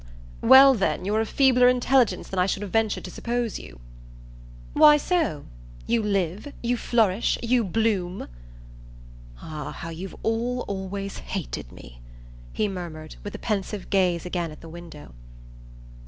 "Well then, you're of feebler intelligence than I should have ventured to suppose you." "Why so? You live. You flourish. You bloom." "Ah how you've all always hated me!" he murmured with a pensive gaze again at the window.